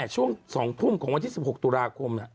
ช่วงสองพุ่งของวันที่สิบหกตุลาคม